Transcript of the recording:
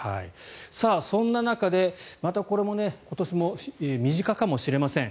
そんな中でまたこれも今年も身近かもしれません。